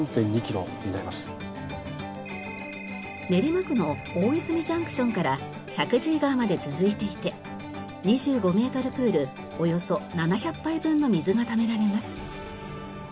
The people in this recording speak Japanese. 練馬区の大泉ジャンクションから石神井川まで続いていて２５メートルプールおよそ７００杯分の水が貯められます。